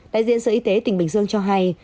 đại diện sở y tế tỉnh bình dương cho hay